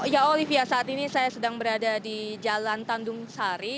ya olivia saat ini saya sedang berada di jalan tanjung sari